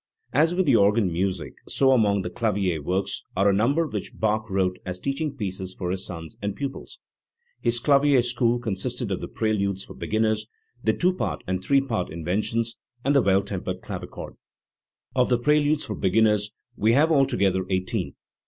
As with the organ music, so among the clavier works are a number which Bach wrote as teaching pieces for his sons and pupils. His clavier school consisted of the preludes for beginners, the two part and three part Inventions, and the Well tempered Clavichord. Of the preludes for beginners we have altogether eighteen.